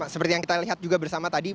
seperti yang kita lihat juga bersama tadi